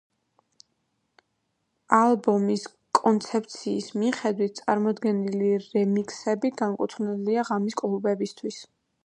ალბომის კონცეფციის მიხედვით, წარმოდგენილი რემიქსები განკუთვნილია ღამის კლუბებისათვის.